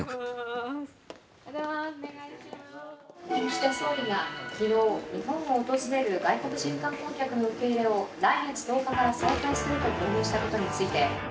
「岸田総理が昨日日本を訪れる外国人観光客の受け入れを来月１０日から再開すると表明したことについて」。